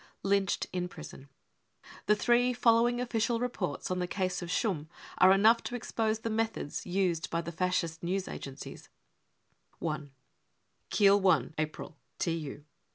Lynched in Prison. The three following official reports on the case of Schumm are enough to expose the methods used by the Fascist news agencies : I " Kiel, i April (TU.)